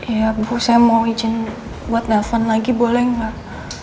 ya bu saya mau izin buat nelfon lagi boleh nggak